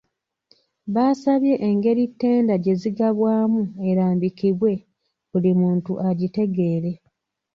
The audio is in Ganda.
Baasabye engeri ttenda gye zigabwaamu erambikibwe, buli muntu agitegeere.